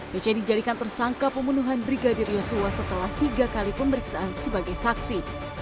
pc dijadikan tersangka pembunuhan brigadir yosua setelah tiga kali pemeriksaan sebagai saksi